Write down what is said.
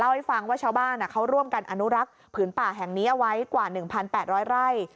ให้ฟังว่าชาวบ้านเขาร่วมกันอนุรักษ์ผืนป่าแห่งนี้เอาไว้กว่า๑๘๐๐ไร่